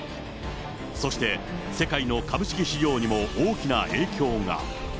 そして世界の株式市場にも大きな影響が。